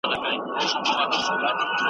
یو وزر نه دی چي سوځي بې حسابه درته ګوري .